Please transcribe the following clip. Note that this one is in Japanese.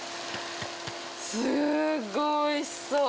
すごいおいしそう。